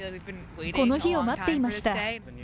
この日を待っていました。